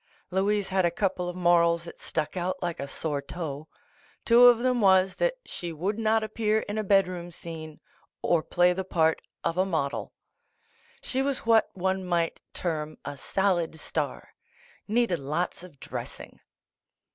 Louise had a couple of morals that stuck out like a sore toe. Two of them was that she w ould not appear in a bedroom scene or play the part of a model. She was what one might term a Salad Star — needed lots of dressing.